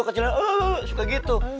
kecilnya suka gitu